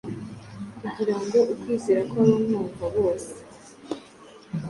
kugira ngo ukwizera kw’abamwumva bose